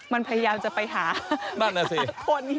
มันพยายามจะไปหาคน